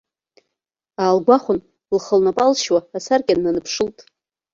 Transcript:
Аалгәахәын, лхы лнапы алшьуа асаркьа днанԥшылт.